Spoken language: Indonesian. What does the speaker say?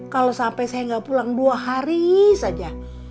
kalau sampai saya nggak pulang dua hari saja